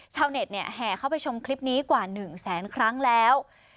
ชาวเน็ตแห่เข้าไปชมคลิปนี้กว่า๑แสนครั้งแล้ว